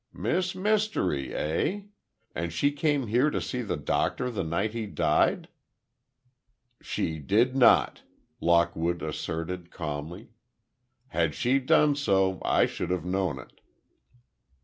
"Miss Mystery, eh? And she came here to see the Doctor the night he died?" "She did not!" Lockwood asserted, calmly. "Had she done so, I should have known it."